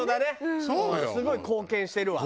すごい貢献してるわ。